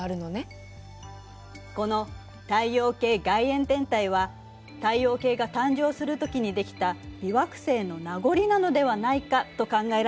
この太陽系外縁天体は太陽系が誕生するときにできた微惑星の名残なのではないかと考えられているのよ。